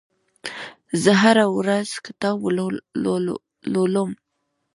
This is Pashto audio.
زه هره ورځ کتاب لولم.